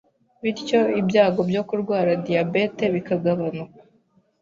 bityo ibyago byo kurwara diyabete bikagabanuka